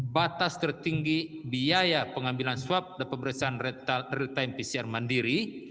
batas tertinggi biaya pengambilan swab dan pemeriksaan real time pcr mandiri